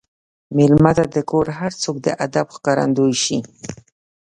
مېلمه ته د کور هر څوک د ادب ښکارندوي شي.